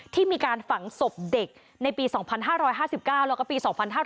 ที่มีการฝังศพเด็กในปี๒๕๕๙แล้วก็ปี๒๕๕๙